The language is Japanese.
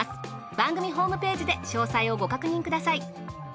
番組ホームページで詳細をご確認ください。